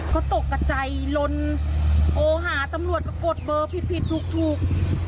เขาตกกับใจล้นโอหาตำรวจก็กดเบอร์ผิดถูก